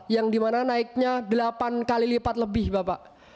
yang dimana naiknya delapan kali lipat lebih bapak